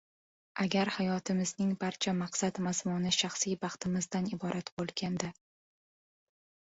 Agar hayotimizning barcha maqsad-mazmuni shaxsiy baxti-mizdan iborat bo‘lganda